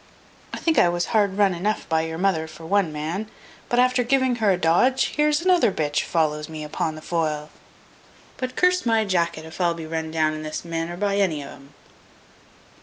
I think I was hard run enough by your mother for one man; but after giving her a dodge, here's another b follows me upon the foil; but curse my jacket if I will be run down in this manner by any o'um."